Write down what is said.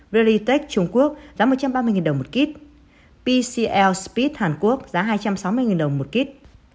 veritech trung quốc giá một trăm ba mươi đồng một kit pcl speed hàn quốc giá hai trăm sáu mươi đồng một kit